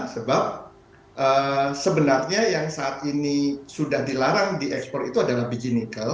sebab sebenarnya yang saat ini sudah dilarang diekspor itu adalah biji nikel